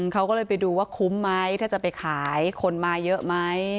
เขาก็เลยไปดูว่าคุ้มไหมถ้าจะไปขายคนมาเยอะไหม